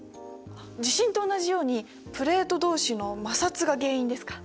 地震と同じようにプレート同士の摩擦が原因ですか？